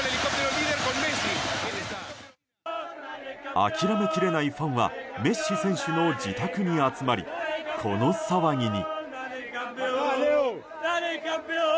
諦めきれないファンはメッシ選手の自宅に集まりこの騒ぎに。